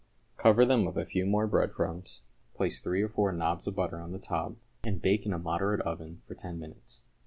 Cover them with a few more crumbs, place three or four nobs of butter on the top, and bake in a moderate oven for ten minutes.